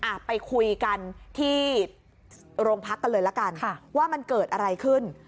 อ่ะไปคุยกันที่โรงพักกันเลยละกันค่ะว่ามันเกิดอะไรขึ้น